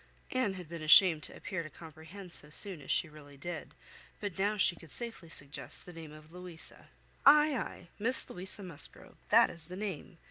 Anne had been ashamed to appear to comprehend so soon as she really did; but now she could safely suggest the name of "Louisa." "Ay, ay, Miss Louisa Musgrove, that is the name.